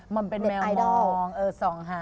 มันเป็นแมวดองส่องหา